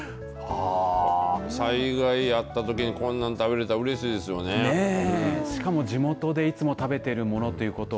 災害あったときにこんなん食べれたらしかも地元でいつも食べているものということ。